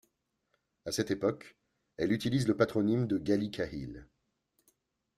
À cette époque, elle utilise le patronyme de Ghali-Kahil.